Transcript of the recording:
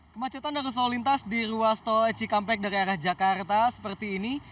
kemacetan arus lalu lintas di ruas tol cikampek dari arah jakarta seperti ini